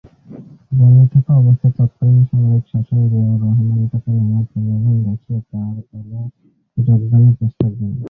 বন্দি থাকা অবস্থায় তৎকালীন সামরিক শাসক জিয়াউর রহমান তাকে নানা প্রলোভন দেখিয়ে তার দলে যোগদানের প্রস্তাব দেন।